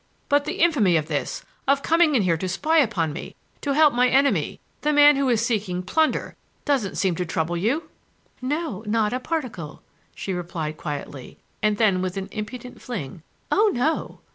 "But the infamy of this—of coming in here to spy upon me—to help my enemy—the man who is seeking plunder—doesn't seem to trouble you." "No, not a particle!" she replied quietly, and then, with an impudent fling, "Oh, no!"